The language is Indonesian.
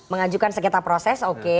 mengajukan sengketa proses oke